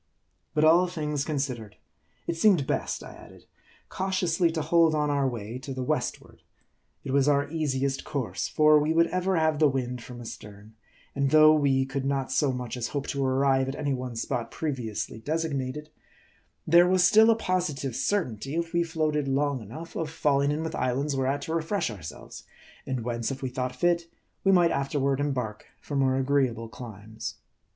But all things considered, it seemed best, I added, cau tiously to hold on our way to the westward. It was our easiest course ; for we would ever have the wind from astern ; and though we could not so much as hope to arrive at any one spot previously designated, there was still a posi tive certainty, if we floated long enough, of falling in with islands whereat to refresh ourselves ; and whence, if we thought fit, we might afterward embark for more agreeable climes.